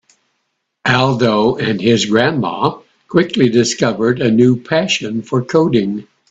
Aldo and his grandma quickly discovered a new passion for coding.